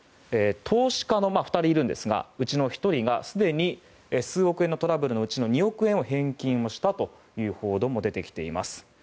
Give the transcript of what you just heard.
投資家は２人いるんですがそのうちの１人がすでに数億円のトラブルのうちの２億円を返金したという報道も出てきています。